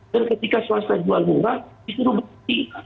dan ketika swasta jual murah disuruh berhenti